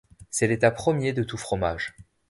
C'est l'état premier de tout fromage.